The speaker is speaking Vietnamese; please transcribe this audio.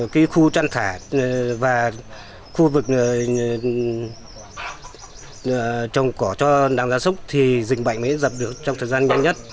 cái khu chăn thả và khu vực trồng cỏ cho đàn gia súc thì dịch bệnh mới dập được trong thời gian nhanh nhất